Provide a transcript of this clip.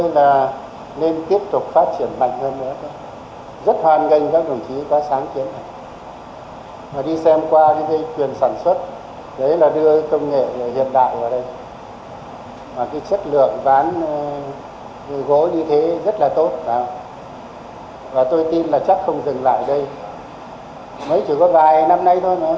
và tôi tin là chắc không dừng lại đây mới chỉ có vài năm nay thôi nữa đã thấy có đợi rồi mặc dù chưa tính toán kỹ được bao nhiêu nhưng mà là một mô hình tốt nên là mở rộng ra